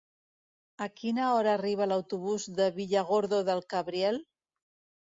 A quina hora arriba l'autobús de Villargordo del Cabriel?